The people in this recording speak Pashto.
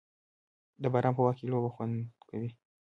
د باران په وخت کې لوبه خوند کوي.